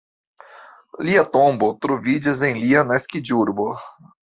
Lia tombo troviĝas en lia naskiĝurbo.